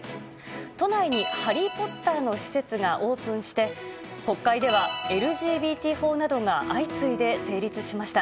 都内に「ハリー・ポッター」の施設がオープンして国会ではＬＧＢＴ法などが相次いで成立しました。